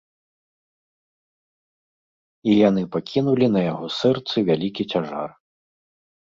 І яны пакінулі на яго сэрцы вялікі цяжар.